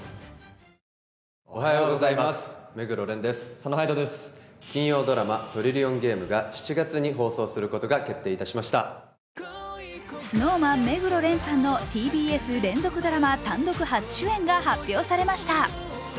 この話題についてＳＮＳではＳｎｏｗＭａｎ・目黒蓮さんのＴＢＳ連続ドラマ単独初主演が発表されました。